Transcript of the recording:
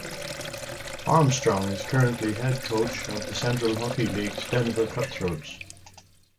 Armstrong is currently head coach of the Central Hockey League's Denver Cutthroats.